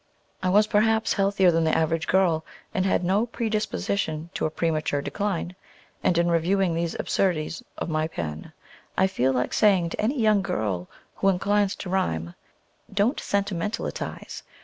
I was, perhaps, healthier than the average girl, and had no predisposition to a premature decline; and in reviewing these absurdities of my pen, I feel like saying to any young girl who inclines to rhyme, "Don't sentimentalize!